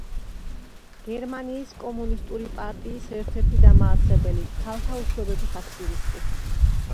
გერმანიის კომუნისტური პარტიის ერთ-ერთი დამაარსებელი, ქალთა უფლებების აქტივისტი.